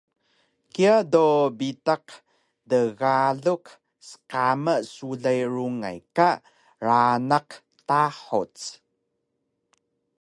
Kiya do bitaq tgaluk sqama sulay rungay ka ranaq tahuc